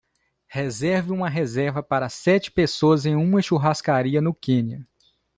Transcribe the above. Reserve uma reserva para sete pessoas em uma churrascaria no Quênia